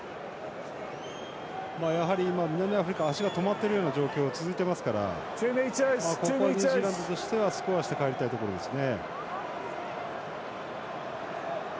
やはり、今、南アフリカ足が止まっているような状況が続いていますからここはニュージーランドとしてはスコアして帰りたいところですね。